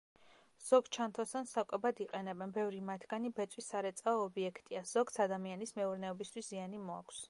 ზოგ ჩანთოსანს საკვებად იყენებენ, ბევრი მათგანი ბეწვის სარეწაო ობიექტია, ზოგს ადამიანის მეურნეობისთვის ზიანი მოაქვს.